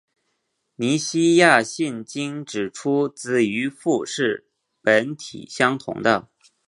尼西亚信经指出子与父是本体相同的。